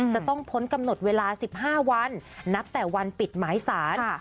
จะต้องพ้นกำหนดเวลา๑๕วันนับแต่วันปิดหมายสาร